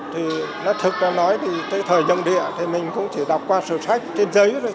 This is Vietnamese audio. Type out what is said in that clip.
thì nó thật ra nói thì tới thời nhượng địa thì mình cũng chỉ đọc qua sửa sách trên giấy thôi